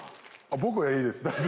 僕はいいです。